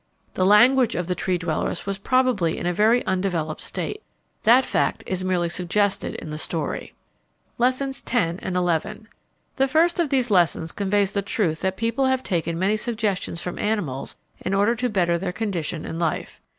The language of the Tree dwellers was probably in a very undeveloped state. That fact is merely suggested in the story. Lessons X. and XI. The first of these lessons conveys the truth that people have taken many suggestions from animals in order to better their condition in life.